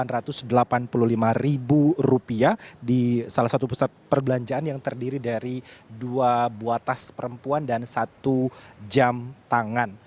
delapan ratus delapan puluh lima ribu rupiah di salah satu pusat perbelanjaan yang terdiri dari dua buah tas perempuan dan satu jam tangan